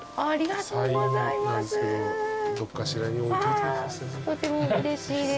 とてもうれしいです。